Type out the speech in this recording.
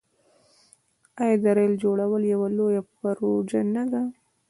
آیا د ریل جوړول یوه لویه پروژه نه وه؟